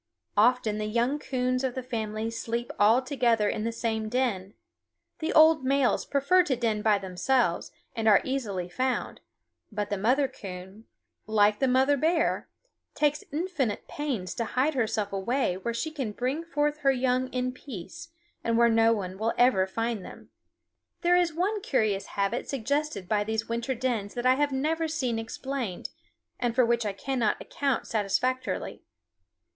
Often the young coons of the same family sleep all together in the same den. The old males prefer to den by themselves, and are easily found; but the mother coon, like the mother bear, takes infinite pains to hide herself away where she can bring forth her young in peace, and where no one will ever find them. There is one curious habit suggested by these winter dens that I have never seen explained, and for which I cannot account satisfactorily.